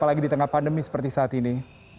apalagi di tengah pandemi seperti saat ini